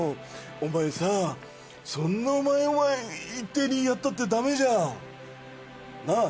お前さそんな一定にやったってダメじゃん。なぁ